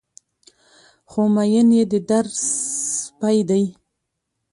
خو مين يې د در سپى دى